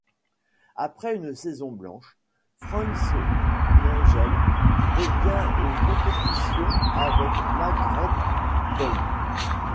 Après une saison blanche, Franz Ningel revient aux compétitions avec Margret Göbl.